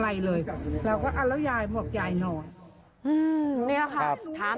แม่เป็นศพเสียชีวิตแล้ว